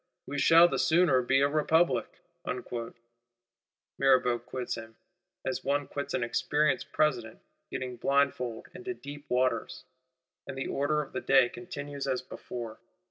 We shall the sooner be a Republic.' Mirabeau quits him, as one quits an experienced President getting blindfold into deep waters; and the order of the day continues as before.